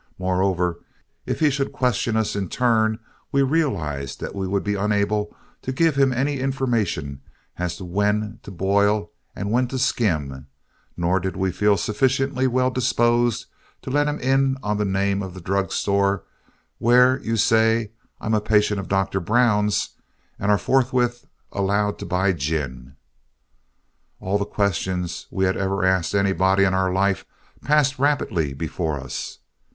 Moreover, if he should question us in turn we realized that we would be unable to give him any information as to when to boil and when to skim, nor did we feel sufficiently well disposed to let him in on the name of the drug store where you say "I'm a patient of Dr. Brown's" and are forthwith allowed to buy gin. All the questions we had ever asked anybody in our life passed rapidly before us.